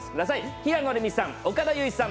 平野レミさん、岡田結実さん